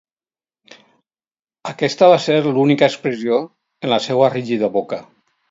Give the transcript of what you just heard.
Aquesta va ser l'única expressió en la seua rígida boca.